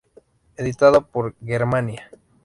Editada por Germanía.